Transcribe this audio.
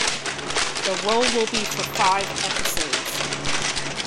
The role will be for five episodes.